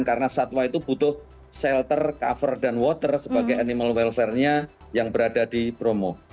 karena satwa itu butuh shelter cover dan water sebagai animal welfarenya yang berada di bromo